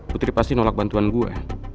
putri pasti nolak bantuan gue